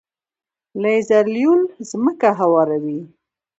لیزر لیول ځمکه هواروي.